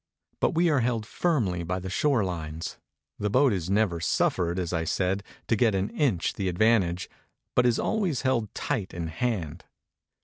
But we are held firmly by the shore Knes. The boat is never suffered, as I said, to get an inch the ad vantage, but is always held tight in hand.